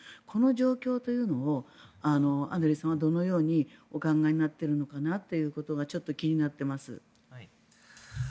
この状況というのをアンドリーさんはどのようにお考えになっているのかなというのがちょっと気になっています。